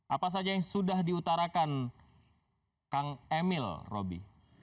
apa saja yang sudah diutarakan kang emil roby